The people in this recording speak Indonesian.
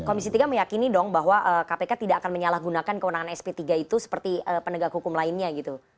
komisi tiga meyakini dong bahwa kpk tidak akan menyalahgunakan kewenangan sp tiga itu seperti penegak hukum lainnya gitu